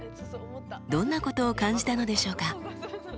どんなことを感じたのでしょうか？